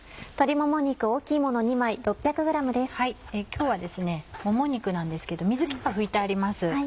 もも肉なんですけど水気は拭いてあります。